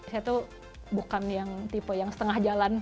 saya tuh bukan yang tipe yang setengah jalan